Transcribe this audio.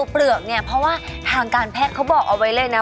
เพราะว่าทางการแพทย์เค้าบอกเอาไว้เลยนะ